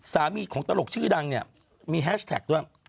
สามีของตลกชื่อดังเนี่ยมีแฮชแท็กด้วย